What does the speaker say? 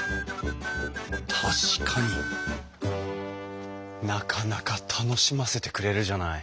確かになかなか楽しませてくれるじゃない。